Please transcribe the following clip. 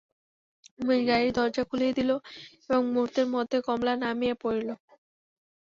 উমেশ গাড়ির দরজা খুলিয়া দিল এবং মুহূর্তের মধ্যে কমলা নামিয়া পড়িল।